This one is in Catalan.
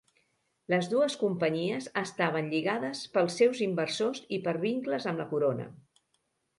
Les dues companyies estaven lligades pels seus inversors i per vincles amb la corona.